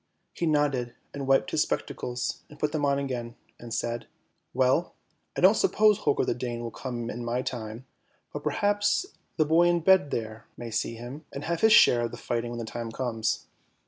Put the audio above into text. He nodded, and wiped his spectacles, and put them on again, and said, " Well, I don't suppose Holger the Dane will come in my time, but perhaps the boy in bed there may see him, and have his share of the fighting when the time comes."